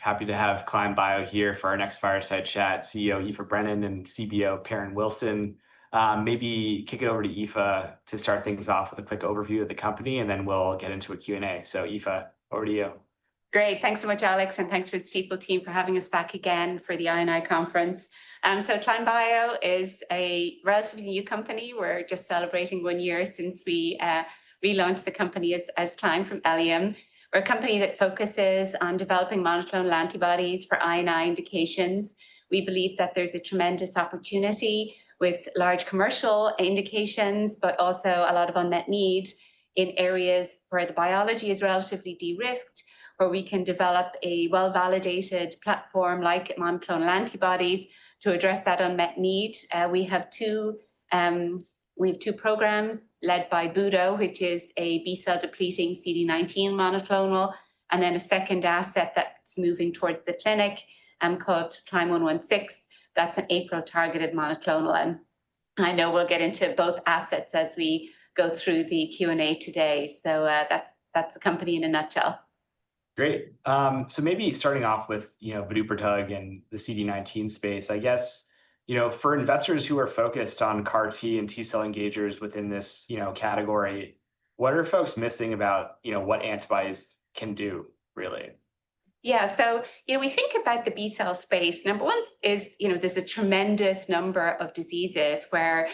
Happy to have Climb Bio here for our next fireside chat, CEO Aoife Brennan and CBO Perrin Wilson. Maybe kick it over to Aoife to start things off with a quick overview of the company, and then we'll get into a Q&A. So Aoife, over to you. Great. Thanks so much, Alex, and thanks to the Steve team for having us back again for the I&I conference. So Climb Bio is a relatively new company. We're just celebrating one year since we relaunched the company as Climb from Eliem. We're a company that focuses on developing monoclonal antibodies for I&I indications. We believe that there's a tremendous opportunity with large commercial indications, but also a lot of unmet needs in areas where the biology is relatively de-risked, where we can develop a well-validated platform like monoclonal antibodies to address that unmet need. We have two programs led by Budo, which is a B-cell depleting CD19 monoclonal, and then a second asset that's moving towards the clinic called CLYM116. That's an APRIL-targeted monoclonal. And I know we'll get into both assets as we go through the Q&A today. So that's the company in a nutshell. Great. So maybe starting off with Budoprutug and the CD19 space, I guess, you know, for investors who are focused on CAR T and T-cell engagers within this category, what are folks missing about what antibodies can do, really? Yeah. So we think about the B-cell space. Number one is, there's a tremendous number of diseases where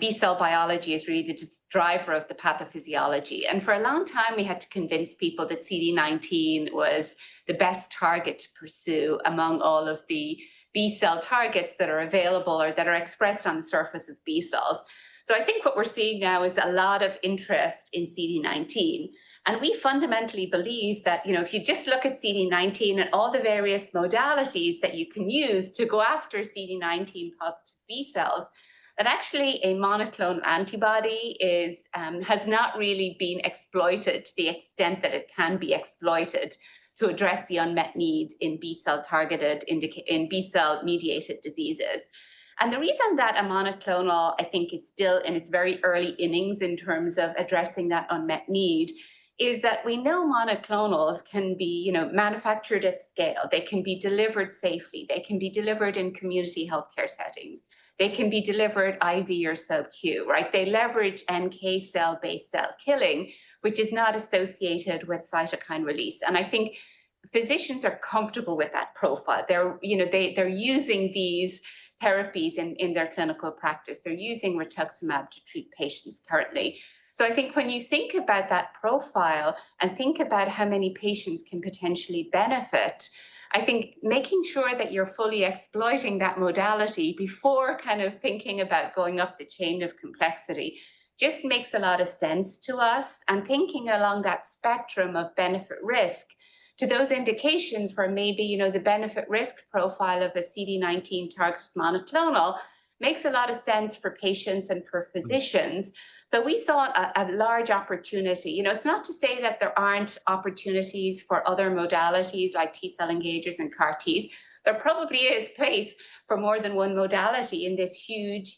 B-cell biology is really the driver of the pathophysiology, and for a long time, we had to convince people that CD19 was the best target to pursue among all of the B-cell targets that are available or that are expressed on the surface of B-cells, so I think what we're seeing now is a lot of interest in CD19, and we fundamentally believe that if you just look at CD19 and all the various modalities that you can use to go after CD19 positive B-cells, that actually a monoclonal antibody has not really been exploited to the extent that it can be exploited to address the unmet need in B-cell targeted, in B-cell mediated diseases. And the reason that a monoclonal, I think, is still in its very early innings in terms of addressing that unmet need is that we know monoclonals can be manufactured at scale. They can be delivered safely. They can be delivered in community healthcare settings. They can be delivered IV or subcu, right? They leverage NK cell-based cell killing, which is not associated with cytokine release. And I think physicians are comfortable with that profile. They're using these therapies in their clinical practice. They're using rituximab to treat patients currently. So I think when you think about that profile and think about how many patients can potentially benefit, I think making sure that you're fully exploiting that modality before kind of thinking about going up the chain of complexity just makes a lot of sense to us. Thinking along that spectrum of benefit-risk to those indications where maybe the benefit-risk profile of a CD19-targeted monoclonal makes a lot of sense for patients and for physicians, but we saw a large opportunity. It's not to say that there aren't opportunities for other modalities like T-cell engagers and CAR Ts. There probably is space for more than one modality in this huge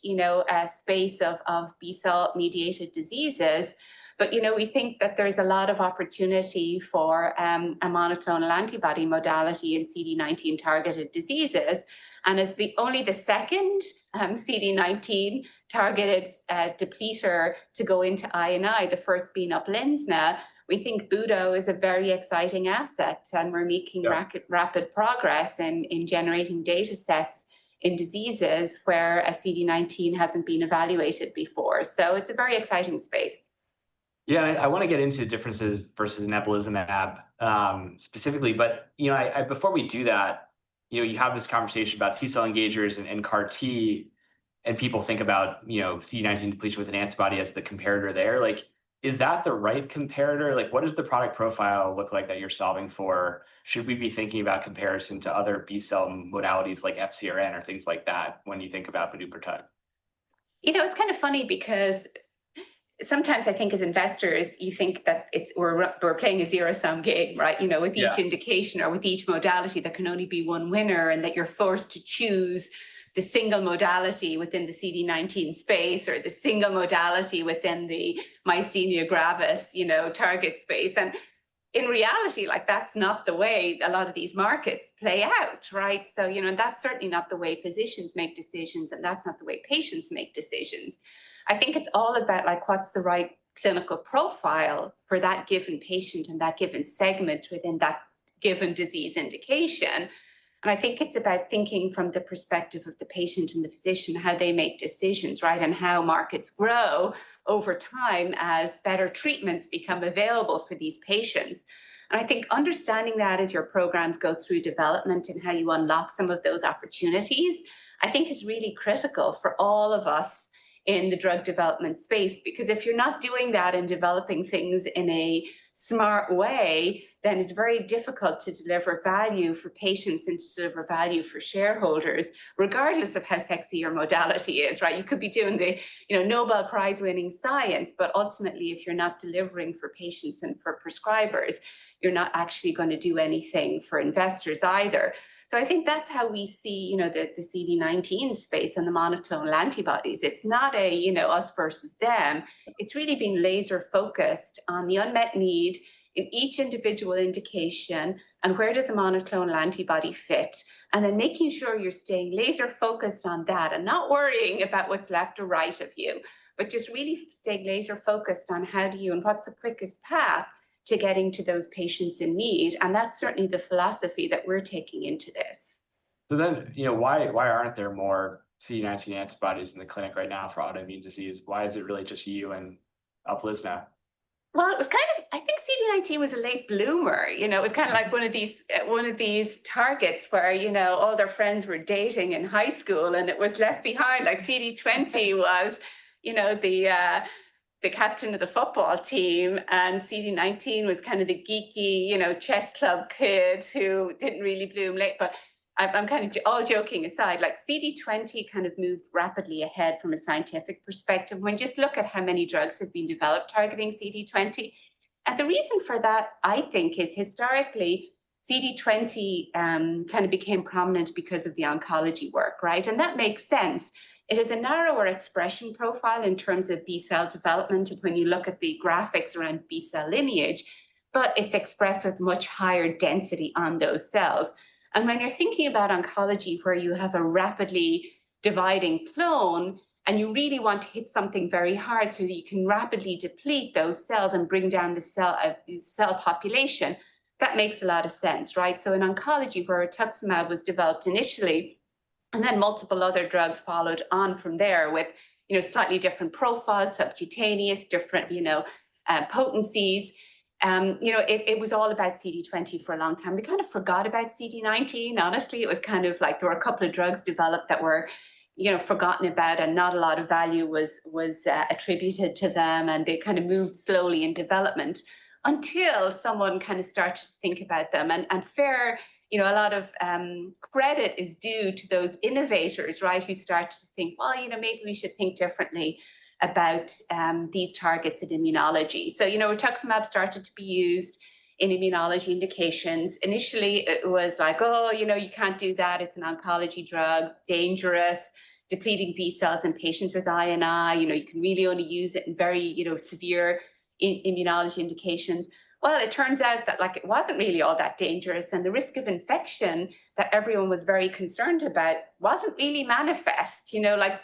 space of B-cell mediated diseases. But we think that there is a lot of opportunity for a monoclonal antibody modality in CD19-targeted diseases. And as only the second CD19-targeted depleter to go into I&I, the first being Uplizna, we think Budo is a very exciting asset. And we're making rapid progress in generating data sets in diseases where a CD19 hasn't been evaluated before. So it's a very exciting space. Yeah. I want to get into differences versus inebilizumab specifically. But before we do that, you have this conversation about T-cell engagers and CAR T, and people think about CD19 depletion with an antibody as the comparator there. Is that the right comparator? What does the product profile look like that you're solving for? Should we be thinking about comparison to other B-cell modalities like FcRn or things like that when you think about budoprutug? It's kind of funny because sometimes I think as investors, you think that we're playing a zero-sum game, right? With each indication or with each modality, there can only be one winner and that you're forced to choose the single modality within the CD19 space or the single modality within the Myasthenia Gravis target space. And in reality, that's not the way a lot of these markets play out, right? And that's certainly not the way physicians make decisions, and that's not the way patients make decisions. I think it's all about what's the right clinical profile for that given patient and that given segment within that given disease indication. And I think it's about thinking from the perspective of the patient and the physician, how they make decisions, right, and how markets grow over time as better treatments become available for these patients. And I think understanding that as your programs go through development and how you unlock some of those opportunities, I think is really critical for all of us in the drug development space. Because if you're not doing that and developing things in a smart way, then it's very difficult to deliver value for patients and to deliver value for shareholders, regardless of how sexy your modality is, right? You could be doing the Nobel Prize-winning science, but ultimately, if you're not delivering for patients and for prescribers, you're not actually going to do anything for investors either. So I think that's how we see the CD19 space and the monoclonal antibodies. It's not a us versus them. It's really been laser-focused on the unmet need in each individual indication and where does a monoclonal antibody fit. And then making sure you're staying laser-focused on that and not worrying about what's left or right of you, but just really staying laser-focused on how do you and what's the quickest path to getting to those patients in need. And that's certainly the philosophy that we're taking into this. So then why aren't there more CD19 antibodies in the clinic right now for autoimmune disease? Why is it really just you and Uplizna? It was kind of, I think, CD19 was a late bloomer. It was kind of like one of these targets where all their friends were dating in high school, and it was left behind. Like CD20 was the captain of the football team, and CD19 was kind of the geeky chess club kid who didn't really bloom late. But I'm kind of all joking aside, CD20 kind of moved rapidly ahead from a scientific perspective when you just look at how many drugs have been developed targeting CD20. And the reason for that, I think, is historically CD20 kind of became prominent because of the oncology work, right? And that makes sense. It is a narrower expression profile in terms of B-cell development when you look at the graphics around B-cell lineage, but it's expressed with much higher density on those cells. When you're thinking about oncology where you have a rapidly dividing clone and you really want to hit something very hard so that you can rapidly deplete those cells and bring down the cell population, that makes a lot of sense, right? In oncology where rituximab was developed initially, and then multiple other drugs followed on from there with slightly different profiles, subcutaneous, different potencies, it was all about CD20 for a long time. We kind of forgot about CD19. Honestly, it was kind of like there were a couple of drugs developed that were forgotten about and not a lot of value was attributed to them. They kind of moved slowly in development until someone kind of started to think about them. And fairly, a lot of credit is due to those innovators, right, who started to think, well, maybe we should think differently about these targets in immunology. So rituximab started to be used in immunology indications. Initially, it was like, oh, you can't do that. It's an oncology drug, dangerous, depleting B-cells in patients with I&I. You can really only use it in very severe immunology indications. Well, it turns out that it wasn't really all that dangerous. And the risk of infection that everyone was very concerned about wasn't really manifest.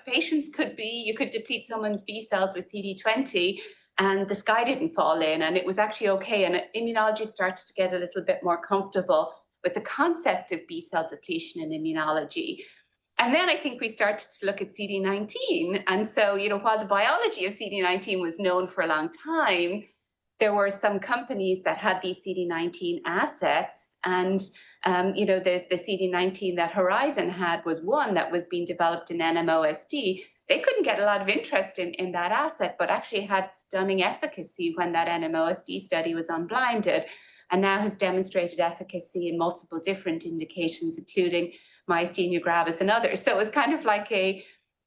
Patients could. You could deplete someone's B-cells with CD20, and the sky didn't fall in. And it was actually OK. And immunology started to get a little bit more comfortable with the concept of B-cell depletion in immunology. And then I think we started to look at CD19. And so while the biology of CD19 was known for a long time, there were some companies that had these CD19 assets. And the CD19 that Horizon had was one that was being developed in NMOSD. They couldn't get a lot of interest in that asset, but actually had stunning efficacy when that NMOSD study was unblinded and now has demonstrated efficacy in multiple different indications, including Myasthenia Gravis and others. So it was kind of like a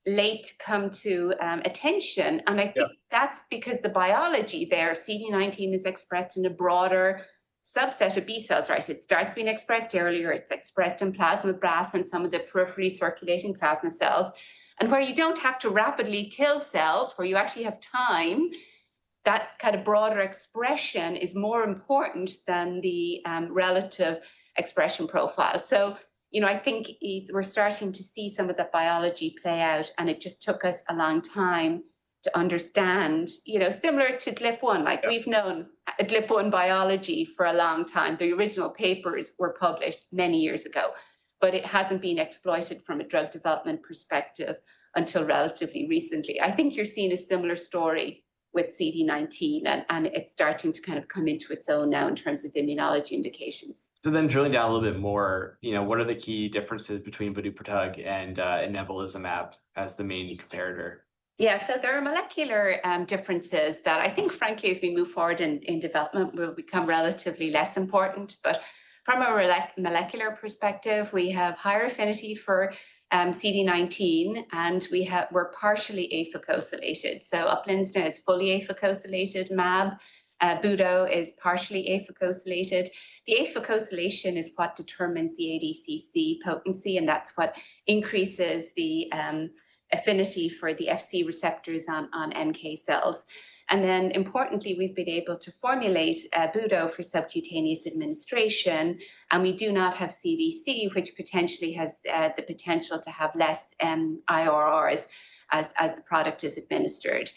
latecomer to attention. And I think that's because the biology there, CD19 is expressed in a broader subset of B-cells, right? It starts being expressed earlier. It's expressed in plasmablasts and some of the peripheral circulating plasma cells. And where you don't have to rapidly kill cells, where you actually have time, that kind of broader expression is more important than the relative expression profile. So I think we're starting to see some of the biology play out. And it just took us a long time to understand, similar to GLP-1, we've known GLP-1 biology for a long time. The original papers were published many years ago, but it hasn't been exploited from a drug development perspective until relatively recently. I think you're seeing a similar story with CD19, and it's starting to kind of come into its own now in terms of immunology indications. So then drilling down a little bit more, what are the key differences between Budoprutug and [anabolism AB] as the main comparator? Yeah. So there are molecular differences that I think, frankly, as we move forward in development, will become relatively less important. But from a molecular perspective, we have higher affinity for CD19, and we're partially afucosylated. So Uplizna is fully afucosylated mAb. Budo is partially afucosylated. The afucosylation is what determines the ADCC potency, and that's what increases the affinity for the Fc receptors on NK cells. And then importantly, we've been able to formulate Budo for subcutaneous administration, and we do not have CDC, which potentially has the potential to have less IRRs as the product is administered.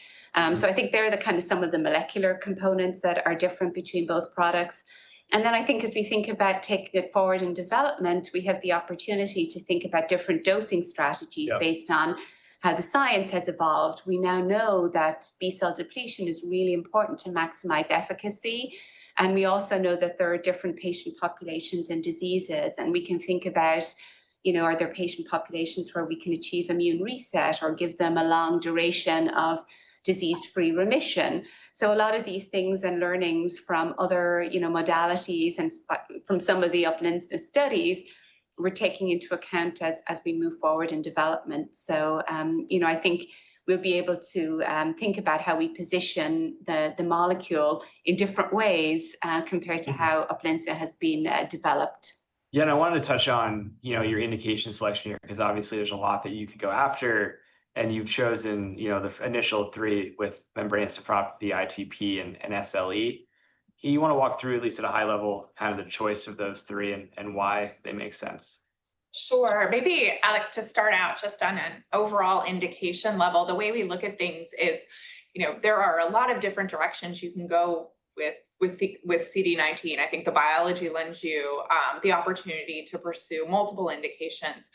So I think they're kind of some of the molecular components that are different between both products. And then I think as we think about taking it forward in development, we have the opportunity to think about different dosing strategies based on how the science has evolved. We now know that B-cell depletion is really important to maximize efficacy. And we also know that there are different patient populations and diseases. And we can think about, are there patient populations where we can achieve immune reset or give them a long duration of disease-free remission? So a lot of these things and learnings from other modalities and from some of the Uplizna studies we're taking into account as we move forward in development. So I think we'll be able to think about how we position the molecule in different ways compared to how Uplizna has been developed. Yeah, and I wanted to touch on your indication selection here because obviously there's a lot that you could go after, and you've chosen the initial three with Membranous Nephropathy, ITP, and SLE. You want to walk through at least at a high-level kind of the choice of those three and why they make sense? Sure. Maybe, Alex, to start out just on an overall indication level, the way we look at things is there are a lot of different directions you can go with CD19. I think the biology lends you the opportunity to pursue multiple indications.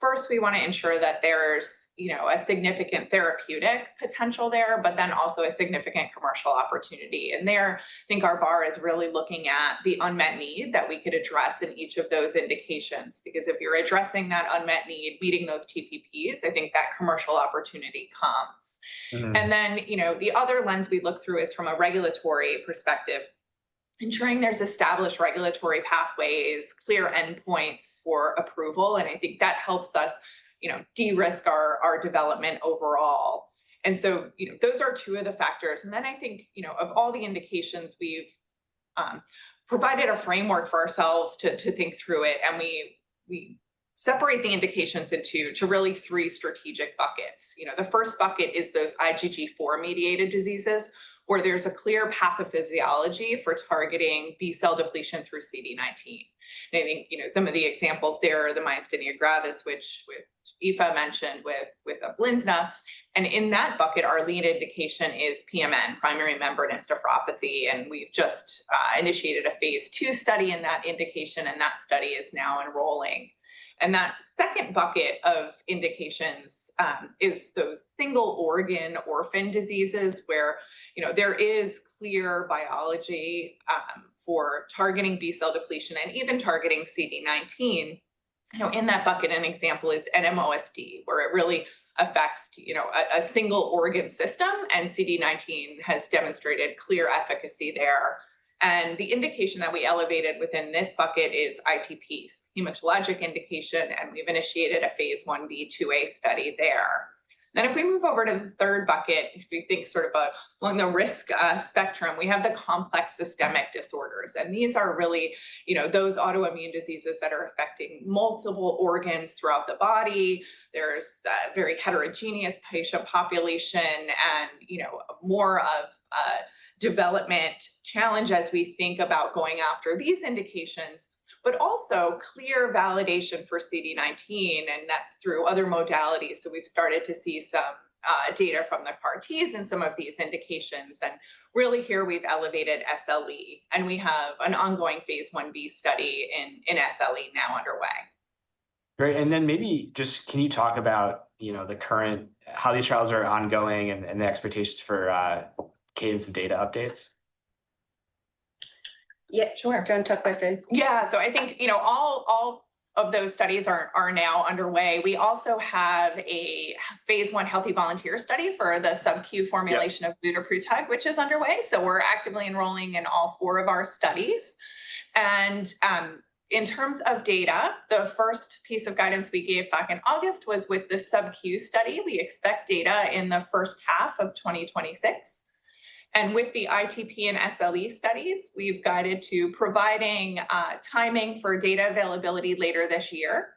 First, we want to ensure that there's a significant therapeutic potential there, but then also a significant commercial opportunity. And there, I think our bar is really looking at the unmet need that we could address in each of those indications. Because if you're addressing that unmet need, meeting those TPPs, I think that commercial opportunity comes. And then the other lens we look through is from a regulatory perspective, ensuring there's established regulatory pathways, clear endpoints for approval. And I think that helps us de-risk our development overall. And so those are two of the factors. And then I think of all the indications, we've provided a framework for ourselves to think through it. And we separate the indications into really three strategic buckets. The first bucket is those IgG4-mediated diseases where there's a clear pathophysiology for targeting B-cell depletion through CD19. And I think some of the examples there are the myasthenia gravis, which Aoife mentioned with Uplizna. And in that bucket, our lead indication is PMN, primary membranous Nephropathy. And we've just initiated a phase two study in that indication, and that study is now enrolling. And that second bucket of indications is those single organ orphan diseases where there is clear biology for targeting B-cell depletion and even targeting CD19. In that bucket, an example is NMOSD, where it really affects a single organ system, and CD19 has demonstrated clear efficacy there. The indication that we elevated within this bucket is ITP, hematologic indication, and we've initiated a phase I b/2a study there. If we move over to the third bucket, if we think sort of along the risk spectrum, we have the complex systemic disorders. These are really those autoimmune diseases that are affecting multiple organs throughout the body. There's a very heterogeneous patient population and more of a development challenge as we think about going after these indications, but also clear validation for CD19, and that's through other modalities. We've started to see some data from the CAR-Ts and some of these indications. Really here, we've elevated SLE. We have an ongoing phase Ib study in SL now underway. Great. And then maybe just can you talk about how these trials are ongoing and the expectations for cadence and data updates? Yeah, sure. Do you want to talk about that? Yeah. So I think all of those studies are now underway. We also have a phase I healthy volunteer study for the subcu formulation of budoprutug, which is underway. So we're actively enrolling in all four of our studies. And in terms of data, the first piece of guidance we gave back in August was with the subQ study. We expect data in the first half of 2026. And with the ITP and SLE studies, we've guided to providing timing for data availability later this year.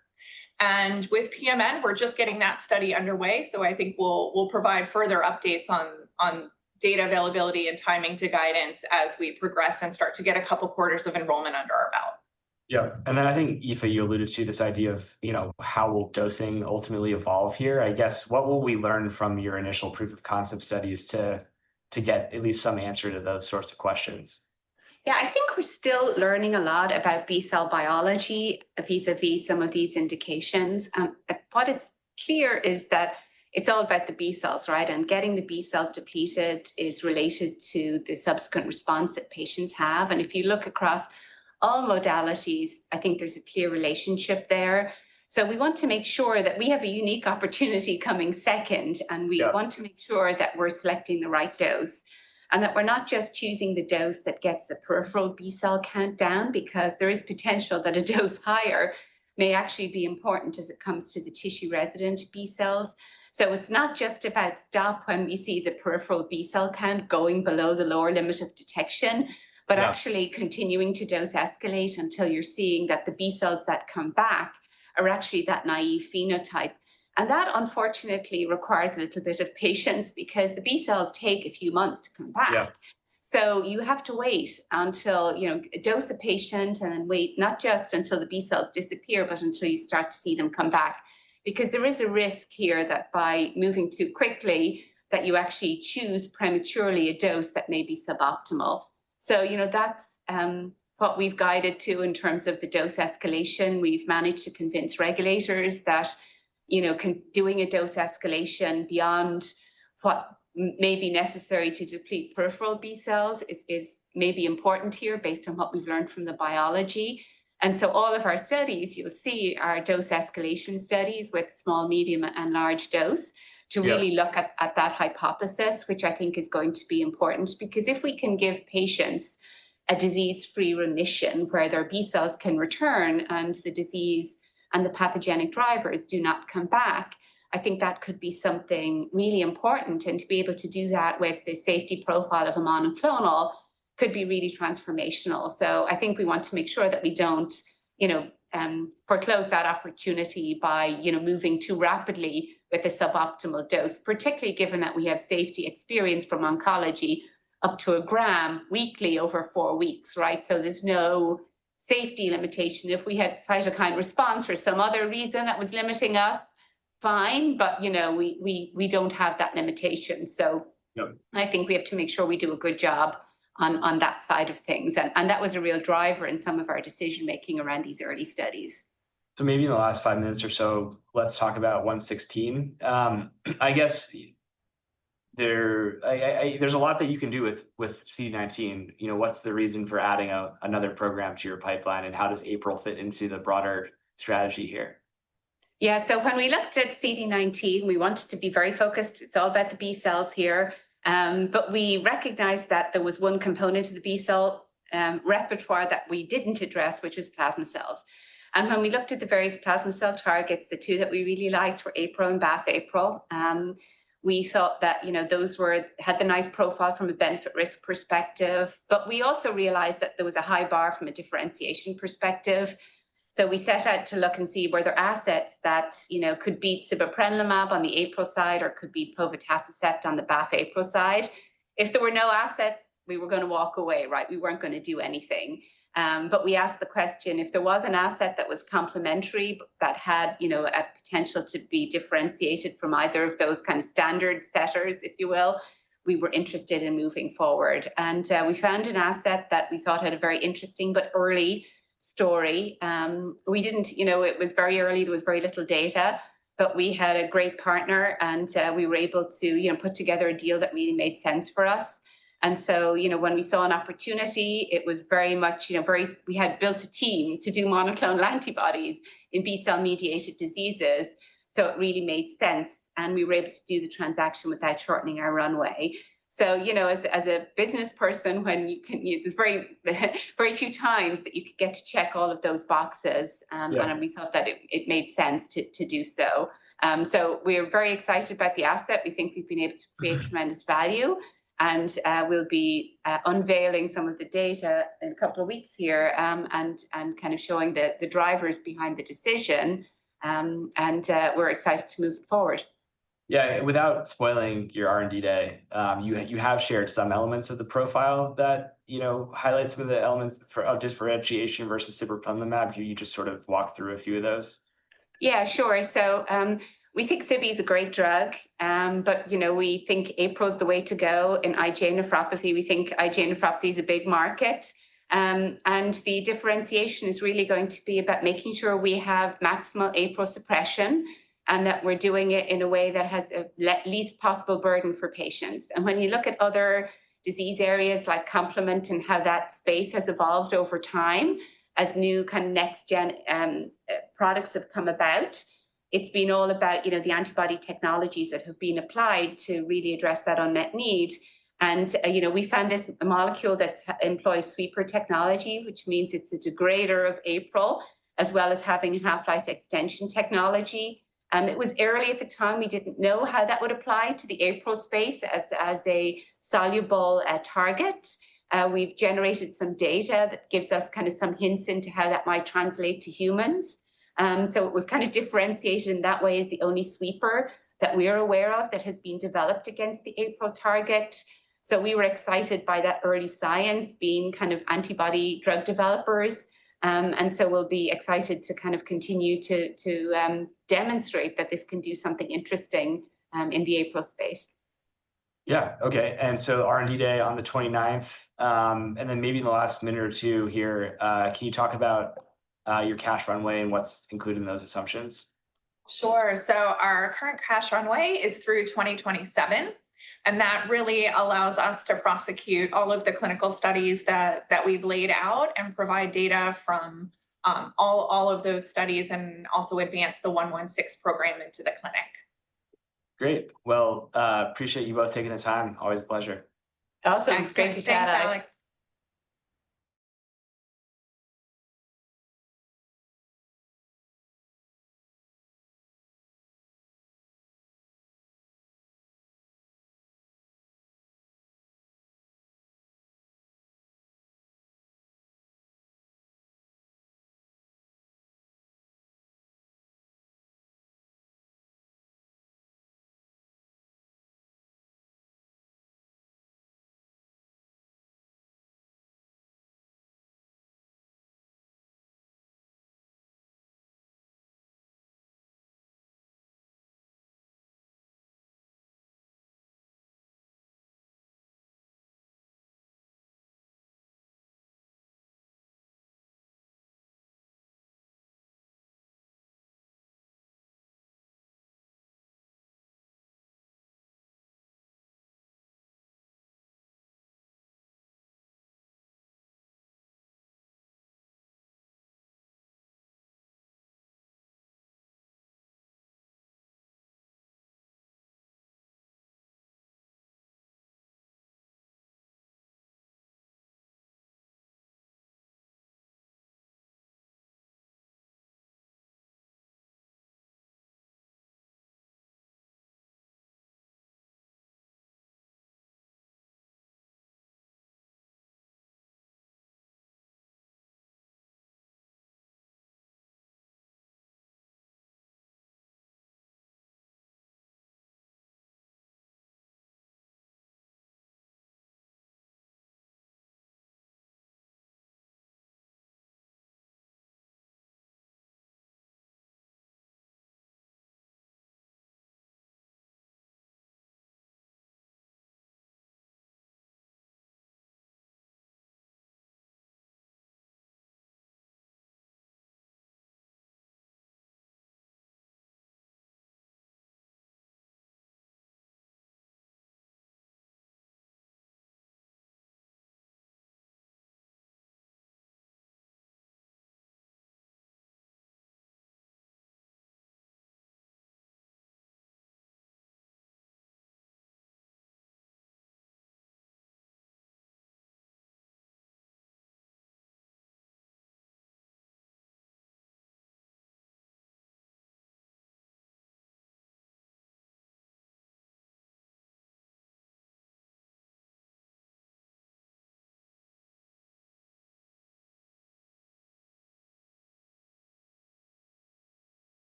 And with PMN, we're just getting that study underway. So I think we'll provide further updates on data availability and timing to guidance as we progress and start to get a couple quarters of enrollment under our belt. Yeah, and then I think, Aoife, you alluded to this idea of how will dosing ultimately evolve here? I guess, what will we learn from your initial proof of concept studies to get at least some answer to those sorts of questions? Yeah. I think we're still learning a lot about B-cell biology vis-à-vis some of these indications. What is clear is that it's all about the B-cells, right? And getting the B-cells depleted is related to the subsequent response that patients have. And if you look across all modalities, I think there's a clear relationship there. So we want to make sure that we have a unique opportunity coming second, and we want to make sure that we're selecting the right dose and that we're not just choosing the dose that gets the peripheral B-cell count down because there is potential that a dose higher may actually be important as it comes to the tissue-resident B-cells. So it's not just about stopping when we see the peripheral B-cell count going below the lower limit of detection, but actually continuing to dose escalate until you're seeing that the B-cells that come back are actually that naive phenotype. And that, unfortunately, requires a little bit of patience because the B-cells take a few months to come back. So you have to wait until you dose a patient and then wait not just until the B-cells disappear, but until you start to see them come back. Because there is a risk here that by moving too quickly, that you actually choose prematurely a dose that may be suboptimal. So that's what we've guided to in terms of the dose escalation. We've managed to convince regulators that doing a dose escalation beyond what may be necessary to deplete peripheral B-cells is maybe important here based on what we've learned from the biology. And so all of our studies, you'll see, are dose escalation studies with small, medium, and large dose to really look at that hypothesis, which I think is going to be important. Because if we can give patients a disease-free remission where their B-cells can return and the disease and the pathogenic drivers do not come back, I think that could be something really important. And to be able to do that with the safety profile of a monoclonal could be really transformational. So I think we want to make sure that we don't foreclose that opportunity by moving too rapidly with a suboptimal dose, particularly given that we have safety experience from oncology up to a gram weekly over four weeks, right? So there's no safety limitation. If we had cytokine response for some other reason that was limiting us, fine, but we don't have that limitation. So I think we have to make sure we do a good job on that side of things. And that was a real driver in some of our decision-making around these early studies. So maybe in the last five minutes or so, let's talk about 116. I guess there's a lot that you can do with CD19. What's the reason for adding another program to your pipeline, and how does APRIL fit into the broader strategy here? Yeah. So when we looked at CD19, we wanted to be very focused. It's all about the B-cells here. But we recognized that there was one component to the B-cell repertoire that we didn't address, which was plasma cells. And when we looked at the various plasma cell targets, the two that we really liked were APRIL and BAFF APRIL. We thought that those had the nice profile from a benefit-risk perspective. But we also realized that there was a high bar from a differentiation perspective. So we set out to look and see were there assets that could beat sibeprenlimab on the APRIL side or could beat povetacicept on the BAFF APRIL side. If there were no assets, we were going to walk away, right? We weren't going to do anything. But we asked the question, if there was an asset that was complementary that had a potential to be differentiated from either of those kind of standard setters, if you will, we were interested in moving forward. And we found an asset that we thought had a very interesting but early story. It was very early. There was very little data, but we had a great partner, and we were able to put together a deal that really made sense for us. And so when we saw an opportunity, it was very much we had built a team to do monoclonal antibodies in B-cell-mediated diseases. So it really made sense, and we were able to do the transaction without shortening our runway. So as a business person, there's very few times that you could get to check all of those boxes, and we thought that it made sense to do so. So we're very excited about the asset. We think we've been able to create tremendous value, and we'll be unveiling some of the data in a couple of weeks here and kind of showing the drivers behind the decision. And we're excited to move forward. Yeah. Without spoiling your R&D day, you have shared some elements of the profile that highlight some of the elements of differentiation versus sibeprenlimab. Can you just sort of walk through a few of those? Yeah, sure. So we think sibeprenlimab is a great drug, but we think APRIL is the way to go. In IgA Nephropathy, we think IgA Nephropathy is a big market. And the differentiation is really going to be about making sure we have maximal APRIL suppression and that we're doing it in a way that has the least possible burden for patients. And when you look at other disease areas like complement and how that space has evolved over time as new kind of next-gen products have come about, it's been all about the antibody technologies that have been applied to really address that unmet need. And we found this molecule that employs sweeper technology, which means it's a degrader of APRIL, as well as having half-life extension technology. It was early at the time. We didn't know how that would apply to the APRIL space as a soluble target. We've generated some data that gives us kind of some hints into how that might translate to humans. So it was kind of differentiated in that way as the only sweeper that we are aware of that has been developed against the APRIL target. So we were excited by that early science being kind of antibody drug developers. And so we'll be excited to kind of continue to demonstrate that this can do something interesting in the APRIL space. Yeah. Okay. And so R&D day on the 29th. And then maybe in the last minute or two here, can you talk about your cash runway and what's included in those assumptions? Sure. So our current cash runway is through 2027. And that really allows us to prosecute all of the clinical studies that we've laid out and provide data from all of those studies and also advance the 116 program into the clinic. Great. Well, appreciate you both taking the time. Always a pleasure. Awesome. It's great to chat. Thanks.